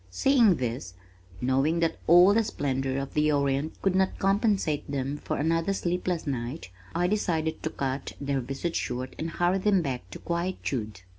Seeing this, knowing that all the splendors of the Orient could not compensate them for another sleepless night, I decided to cut their visit short and hurry them back to quietude.